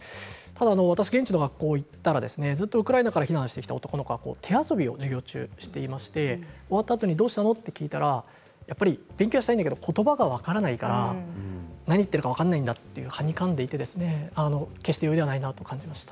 ただ、私が現地の学校に行ったらずっとウクライナから避難してきた男の子は授業中に手遊びをしていまして終わったあとにどうしたのと聞いたらやっぱり勉強したいんだけれどもことばが分からないから何を言っているか分からないんだとはにかんでいました。